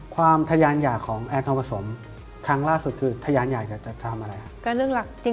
ความทะยานหย่าของแอนท้องผสมครั้งล่าสุดคือทะยานหย่าจะทำอะไร